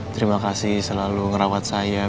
terima kasih selalu ngerawat saya